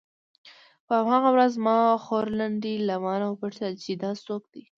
په هماغه ورځ زما خورلنډې له مانه وپوښتل چې دا څوک دی.